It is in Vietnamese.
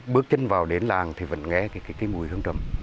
bước chân vào đến làng thì vẫn nghe cái mùi hương trầm